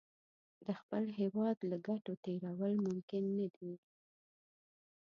د خپل هېواد له ګټو تېرول ممکن نه دي.